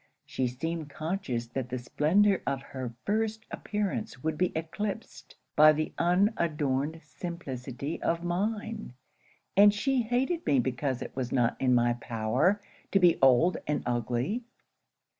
She seemed conscious that the splendour of her first appearance would be eclipsed by the unadorned simplicity of mine; and she hated me because it was not in my power to be old and ugly.